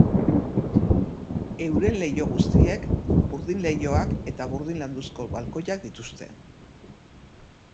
Euren leiho guztiek burdin-leihoak eta burdin landuzko balkoiak dituzte.